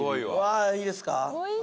わあいいですか？